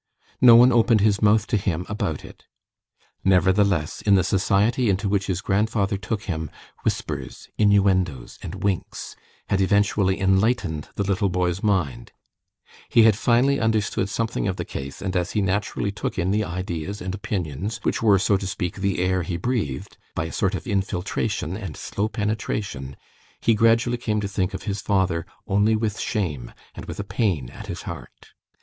No one opened his mouth to him about it. Nevertheless, in the society into which his grandfather took him, whispers, innuendoes, and winks, had eventually enlightened the little boy's mind; he had finally understood something of the case, and as he naturally took in the ideas and opinions which were, so to speak, the air he breathed, by a sort of infiltration and slow penetration, he gradually came to think of his father only with shame and with a pain at his heart.